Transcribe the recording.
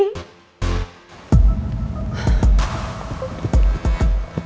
mereka udah siapin semua